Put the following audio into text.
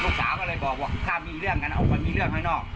สาวก็เลยบอกว่าถ้ามีเรื่องกันออกไปมีเรื่องข้างนอก